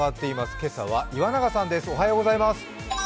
今朝は岩永さんです。